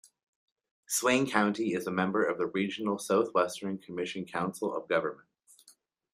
Swain County is a member of the regional Southwestern Commission council of governments.